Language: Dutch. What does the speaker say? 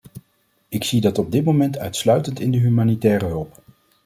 Ik zie dat op dit moment uitsluitend in de humanitaire hulp.